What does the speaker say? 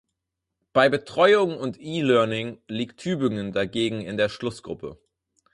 Bei Betreuung und E-Learning liegt Tübingen dagegen in der Schlussgruppe.